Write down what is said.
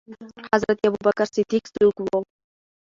حضرت ابوبکر صديق څوک وو؟